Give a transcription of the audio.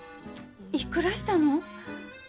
いくらしたの？